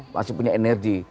masih punya energi